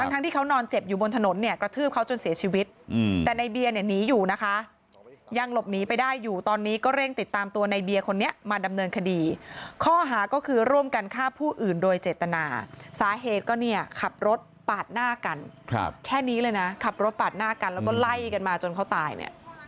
ทั้งที่เขานอนเจ็บอยู่บนถนนเนี่ยกระทืบเขาจนเสียชีวิตแต่ในเบียร์เนี่ยหนีอยู่นะคะยังหลบหนีไปได้อยู่ตอนนี้ก็เร่งติดตามตัวในเบียร์คนนี้มาดำเนินคดีข้อหาก็คือร่วมกันฆ่าผู้อื่นโดยเจตนาสาเหตุก็เนี่ยขับรถปาดหน้ากันแค่นี้เลยนะขับรถปาดหน้ากันแล้วก็ไล่กันมาจนเขาตายเนี่ย